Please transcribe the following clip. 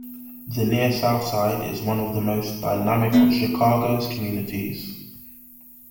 The Near South Side is one of the most dynamic of Chicago's communities.